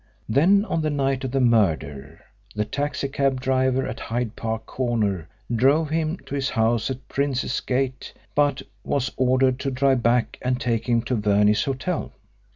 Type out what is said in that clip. Then, on the night of the murder, the taxi cab driver at Hyde Park Corner drove him to his house at Princes Gate, but was ordered to drive back and take him to Verney's Hotel.